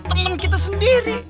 temen kita sendiri